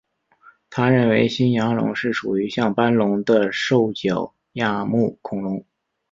他认为新牙龙是属于像斑龙的兽脚亚目恐龙。